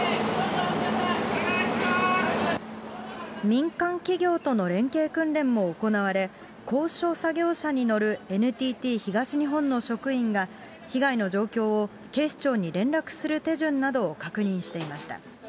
民間企業との連携訓練も行われ、高所作業車に乗るＮＴＴ東日本の職員が、被害の状況を警視庁に連絡する手順などを確認していました。